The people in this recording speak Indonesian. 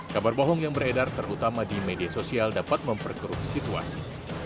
kabar bohong yang beredar terutama di media sosial dapat memperkeruh situasi